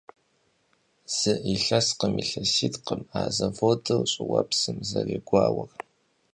Зы илъэскъым, илъэситӀкъым а заводыр щӀыуэпсым зэрегуауэр.